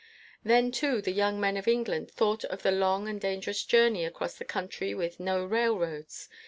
Then, too, the young men of England thought of the long and dangerous journey across a country with no railroads.